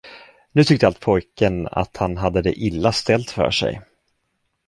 Nu tyckte allt pojken, att han hade det illa ställt för sig.